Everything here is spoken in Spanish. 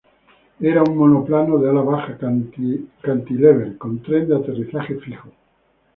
Era un monoplano de ala baja cantilever, con tren de aterrizaje fijo.